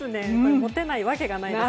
モテないわけがないです。